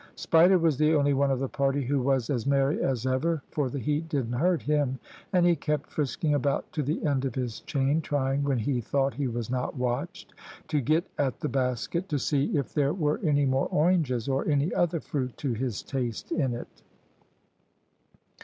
Spider was the only one of the party who was as merry as ever, for the heat didn't hurt him, and he kept frisking about to the end of his chain, trying, when he thought he was not watched, to get at the basket to see if there were any more oranges or any other fruit to his taste in it.